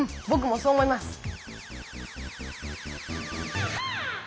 ぼくもそう思います。